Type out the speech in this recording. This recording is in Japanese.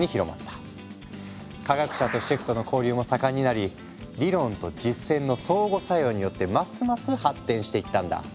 科学者とシェフとの交流も盛んになり理論と実践の相互作用によってますます発展していったんだ。